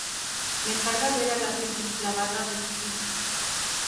Me carga ver a la gente esclava de sus hijos.